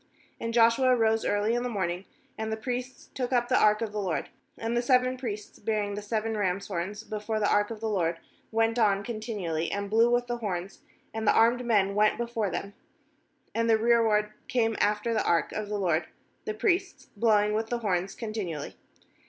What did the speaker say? ^And Joshua rose early in the morn ing, and the priests took up the ark of the LORD. ^And the seven priests bearing the seven rams' horns before the ark of the LORD went on contin ually, and blew with, the horns; and the armed men went before them; and the rearward came after the ark of the LORD, [the priests] blowing with the horns continually.